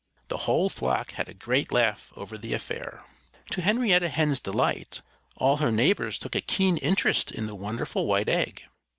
The whole flock had a great laugh over the affair. To Henrietta Hen's delight, all her neighbors took a keen interest in the wonderful white egg.